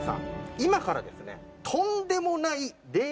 今からですね。